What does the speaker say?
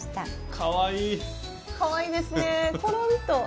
かわいいですねころんと。